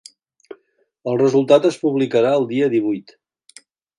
El resultat es publicarà el dia divuit.